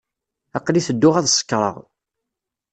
Aql-i tedduɣ ad sekṛeɣ.